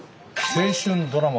青春ドラマ？